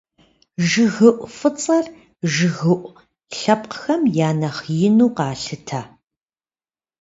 ЖыгыуӀу фӀыцӀэр, жыгыуӀу лъэпкъхэм я нэхъ ину къалъытэ.